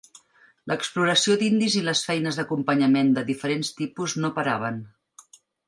L'exploració d'indis i les feines d'acompanyament de diferents tipus no paraven.